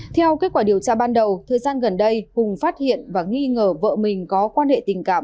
theo kết quả điều tra ban đầu thời gian gần đây hùng phát hiện và nghi ngờ vợ mình có quan hệ tình cảm